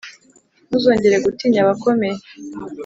ntuzongere gutinya abakomeye,